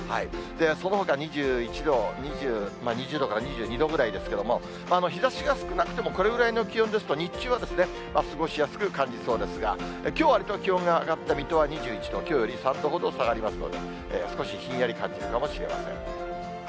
そのほか、２１度、２０度から２２度くらいですけれども、日ざしが少なくても、これぐらいの気温ですと、日中は過ごしやすく感じそうですが、きょう、わりと気温が上がった水戸は２１度、きょうより３度ほど下がりますので、少しひんやり感じるかもしれません。